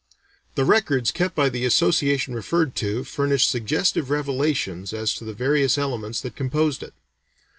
The records kept by the association referred to, furnish suggestive revelations as to the various elements that composed it.